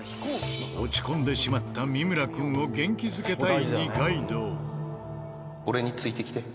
落ち込んでしまった三村君を元気付けたい二階堂。